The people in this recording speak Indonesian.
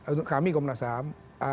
untuk kami komnas ham